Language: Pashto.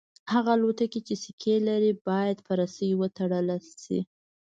هغه الوتکې چې سکي لري باید په رسۍ وتړل شي